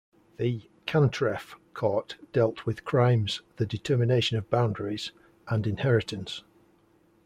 The "cantref" court dealt with crimes, the determination of boundaries, and inheritance.